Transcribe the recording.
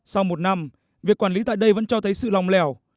sau một năm việc quản lý tại đây vẫn cho thấy sự lòng lẻo